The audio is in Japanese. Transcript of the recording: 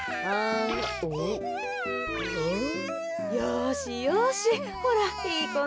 よしよしほらいいこね。